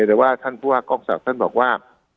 แต่ว่าท่านผู้ว่ากองศักดิ์ท่านบอกว่า